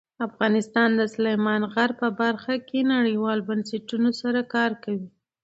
افغانستان د سلیمان غر په برخه کې نړیوالو بنسټونو سره کار کوي.